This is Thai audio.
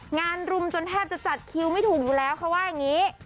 งานรุมจนแทบจะจัดคิวไม่ถูกอยู่แล้วเขาว่าอย่างนี้